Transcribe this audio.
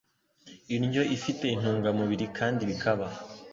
indyo ifite intungamubiri, kandi bikaba